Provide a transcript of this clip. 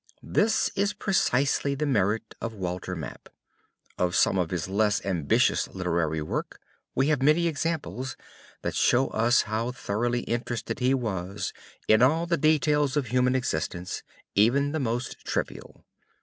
This is precisely the merit of Walter Map. Of some of his less ambitious literary work we have many examples that show us how thoroughly interested he was in all the details of human existence, even the most trivial.